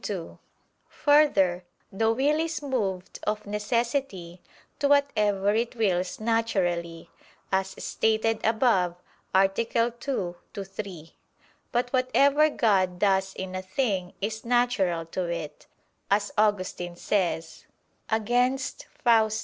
2: Further, the will is moved of necessity to whatever it wills naturally, as stated above (A. 2, ad 3). But "whatever God does in a thing is natural to it," as Augustine says (Contra Faust.